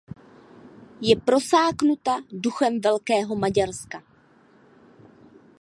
Je prosáknuta duchem Velkého Maďarska.